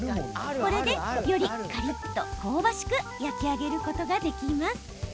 これで、よりカリっと香ばしく焼き上げることができます。